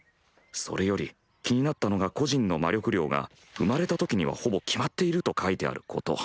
それより気になったのが個人の魔力量が産まれた時にはほぼ決まっていると書いてあること。